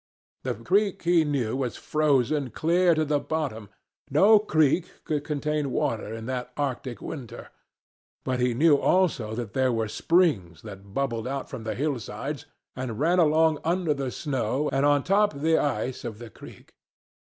The creek he knew was frozen clear to the bottom—no creek could contain water in that arctic winter—but he knew also that there were springs that bubbled out from the hillsides and ran along under the snow and on top the ice of the creek.